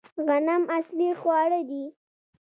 غنم اصلي خواړه دي